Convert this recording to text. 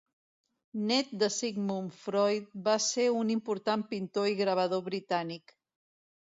Nét de Sigmund Freud, va ser un important pintor i gravador britànic.